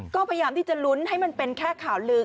ก็พยายามที่จะลุ้นให้มันเป็นแค่ข่าวลือ